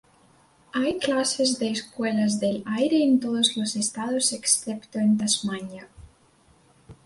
Hay clases de "escuelas del aire" en todos los estados excepto en Tasmania.